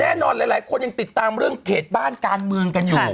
หลายคนยังติดตามเรื่องเขตบ้านการเมืองกันอยู่